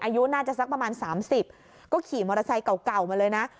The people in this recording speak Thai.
อายุน่าจะสักประมาณ๓๐ก็ขี่มอเตอร์ไซค์เก่ามาเลยนะ